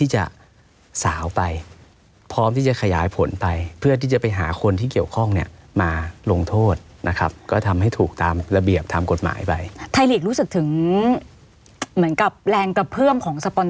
หรือความเชื่อมั่นของแม่แต่แฟนบอลหรือแม่แต่แฟนบอล